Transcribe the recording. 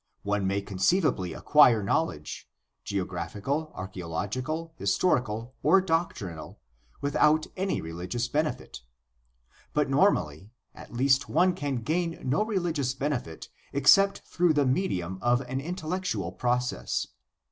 One may conceivably acquire knowledge — geographical, archaeological, historical, or doc trinal— without any rehgious benefit. But normally at least one can gain no religious benefit except through the medium of an intellectual process.